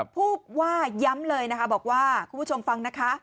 พูดว่าย้ำเลยนะคะบอกว่าคุณผู้ชมฟังนะคะ